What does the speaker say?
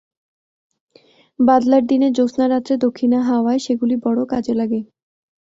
বাদলার দিনে, জ্যোৎস্নারাত্রে, দক্ষিনা হাওয়ায় সেগুলি বড়ো কাজে লাগে।